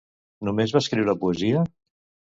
Només va escriure poesia?